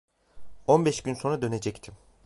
On beş gün sonra dönecektim.